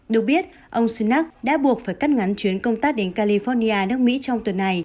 được biết ông sunak đã buộc phải cắt ngắn chuyến công tác đến california nước mỹ trong tuần này